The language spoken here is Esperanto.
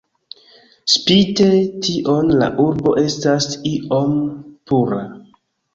Spite tion la urbo estas iom pura.